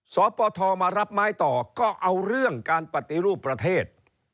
สปทมารับไม้ต่อก็เอาเรื่องการปฏิรูปประเทศ